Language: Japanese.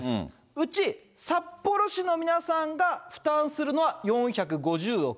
うち札幌市の皆さんが負担するのは４５０億。